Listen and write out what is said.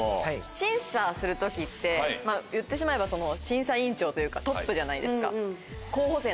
審査する時って言ってしまえば審査委員長というかトップじゃないですか。